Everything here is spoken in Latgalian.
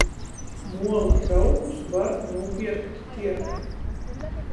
Muola traukus var nūpierkt tiergā.